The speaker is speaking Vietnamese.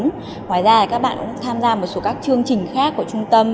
ngoài ra các bạn cũng tham gia một số các chương trình khác của trung tâm